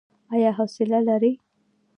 ایا حوصله لرئ؟